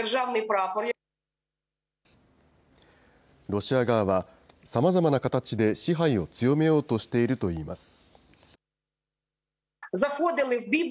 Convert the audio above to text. ロシア側は、さまざまな形で支配を強めようとしているといいます。